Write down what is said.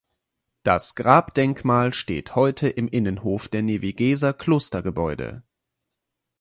Das Grabdenkmal steht heute im Innenhof der Nevigeser Klostergebäude.